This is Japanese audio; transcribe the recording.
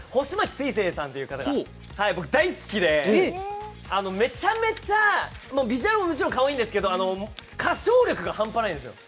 すいせいさんという方が大好きでビジュアルももちろんかわいいんですけど、めちゃめちゃ歌唱力が半端ないんです。